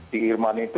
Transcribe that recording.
di irman itu